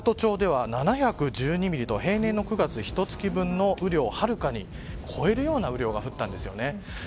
美郷町では７１２ミリと平年の９月、ひと月分の雨量をはるかに超えるような雨量が降ったんですよね。